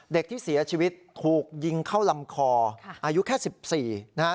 เด็กที่เสียชีวิตถูกยิงเข้าลำคออายุแค่๑๔นะฮะ